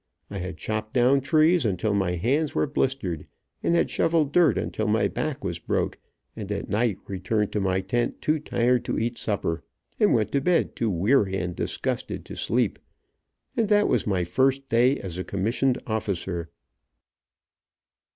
I had chopped down trees until my hands were blistered, and had shoveled dirt until my back was broke, and at night returned to my tent too tired to eat supper, and went to bed too weary and disgusted to sleep. And that was my first day as a commissioned officer.